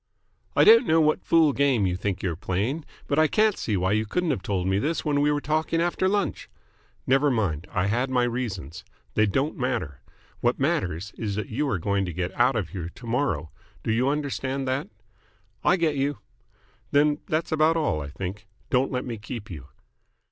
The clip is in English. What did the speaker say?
"I don't know what fool game you think you're playing, but I can't see why you couldn't have told me this when we were talking after lunch." "Never mind. I had my reasons. They don't matter. What matters is that you are going to get out of here to morrow. Do you understand that?" "I get you." "Then that's about all, I think. Don't let me keep you."